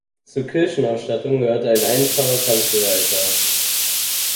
Zur Kirchenausstattung gehört ein einfacher Kanzelaltar.